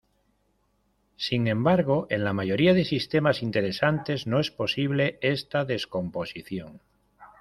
Sin embargo en la mayoría de sistemas interesantes no es posible esta descomposición.